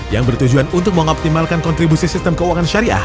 yang bertujuan untuk mengoptimalkan kontribusi sistem keuangan syariah